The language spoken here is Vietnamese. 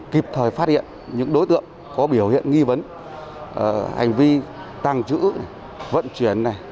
kịp thời phát hiện những đối tượng có biểu hiện nghi vấn hành vi tàng trữ vận chuyển